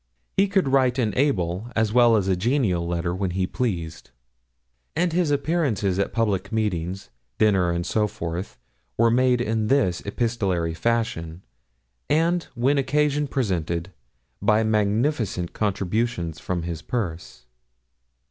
He could write an able as well as a genial letter when he pleased; and his appearances at public meetings, dinners, and so forth were made in this epistolary fashion, and, when occasion presented, by magnificent contributions from his purse.